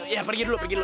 ya pergi dulu pergi dulu